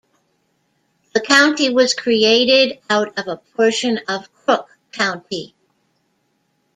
The county was created out of a portion of Crook County.